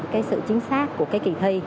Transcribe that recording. và sự chính xác của kỳ thi